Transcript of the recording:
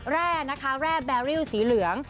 แร่นะคะแร่แบริวสีเหลือง